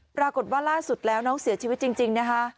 ปรากฏว่าล่าสุดแล้วน้องเสียชีวิตจริงนะคะ